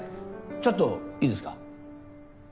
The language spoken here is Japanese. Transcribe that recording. ちょっといいですか？